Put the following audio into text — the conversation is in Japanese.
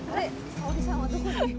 早織さんはどこに？